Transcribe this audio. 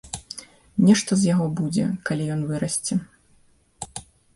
Нешта з яго будзе, калі ён вырасце.